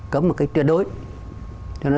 cấm một cách tuyệt đối cho nó